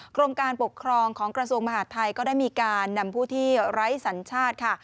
กรมการปกครองของกระทรวงมหาดไทยก็ได้มีการนำผู้ที่ไร้สัญชาติค่ะ